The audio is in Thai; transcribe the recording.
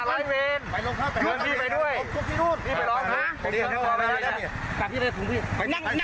นั่งรถผมไปได้เลยเอาตำรวจนั่งรถผมนั่นด้วย